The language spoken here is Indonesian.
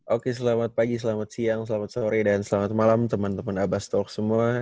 oke selamat pagi selamat siang selamat sore dan selamat malam teman teman abastolk semua